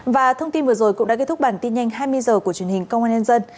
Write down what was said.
và thông tin vừa rồi cũng đã kết thúc bản tin nhanh hai mươi h của truyền hình công an nhân dân